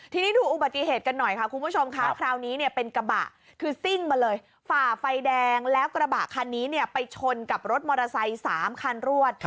ทีนี้ดูอุบัติเหตุกันหน่อยค่ะคุณผู้ชมค่ะคราวนี้เนี่ยเป็นกระบะคือซิ่งมาเลยฝ่าไฟแดงแล้วกระบะคันนี้เนี่ยไปชนกับรถมอเตอร์ไซค์๓คันรวด